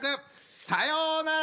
さようなら！